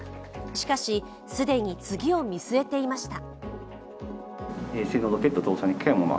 しかし既に、次を見据えていました。